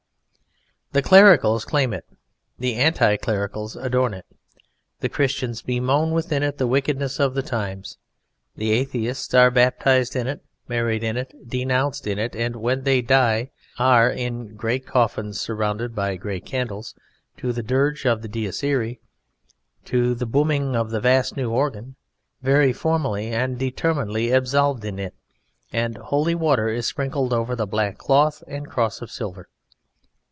The Clericals claim it, the anti Clericals adorn it. The Christians bemoan within it the wickedness of the times. The Atheists are baptized in it, married in it, denounced in it, and when they die are, in great coffins surrounded by great candles, to the dirge of the Dies Iræ, to the booming of the vast new organ, very formally and determinedly absolved in it; and holy water is sprinkled over the black cloth and cross of silver.